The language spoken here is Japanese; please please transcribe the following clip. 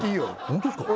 ホントですか？